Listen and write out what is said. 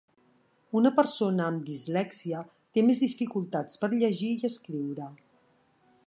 Una persona amb dislèxia té més dificultats per llegir i escriure.